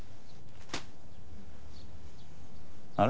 あれ？